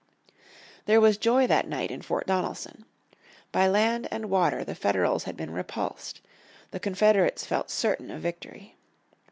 There was joy that night in Fort Donelson. By land and water the Federals had been repulsed. The Confederates felt certain of victory.